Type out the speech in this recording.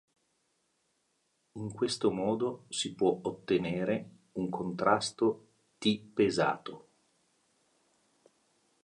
In questo modo si può ottenere un contrasto T-pesato.